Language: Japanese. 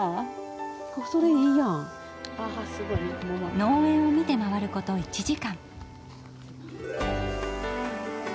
農園を見て回ること１時間。